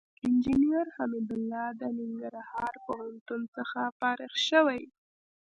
انجينر حميدالله د ننګرهار پوهنتون څخه فارغ شوى.